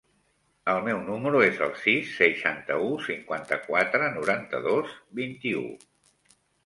El meu número es el sis, seixanta-u, cinquanta-quatre, noranta-dos, vint-i-u.